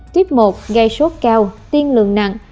tuyếp một gây sốt cao tiên lượng nặng